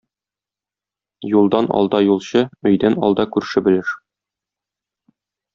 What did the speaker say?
Юлдан алда юлчы, өйдән алда күрше белеш.